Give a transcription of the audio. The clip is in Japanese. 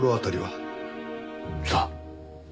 さあ。